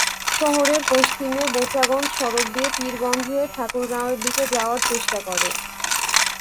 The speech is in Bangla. শহরের পশ্চিমে বোচাগঞ্জ সড়ক দিয়ে পীরগঞ্জ হয়ে ঠাকুরগাঁওয়ের দিকে যাওয়ার চেষ্টা করে।